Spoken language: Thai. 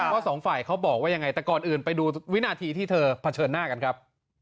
ว่าสองฝ่ายเขาบอกว่ายังไงแต่ก่อนอื่นไปดูวินาทีที่เธอเผชิญหน้ากันครับ